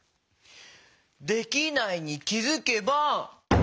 「できないに気づけば」。